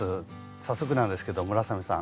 早速なんですけど村雨さん